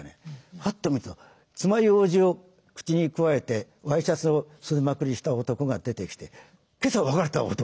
ふっと見るとつまようじを口にくわえてワイシャツを袖まくりした男が出てきて今朝別れた男。